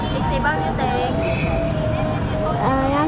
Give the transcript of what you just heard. thì chị bao nhiêu tiền